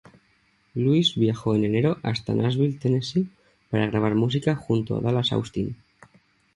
Lewis viajó en enero hasta Nashville Tennessee para grabar música junto a Dallas Austin.